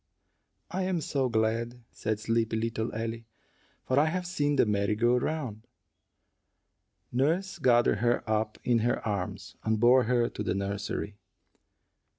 "I am so glad," said sleepy little Ellie, "for I have seen the merry go round." Nurse gathered her up in her arms, and bore her to the nursery.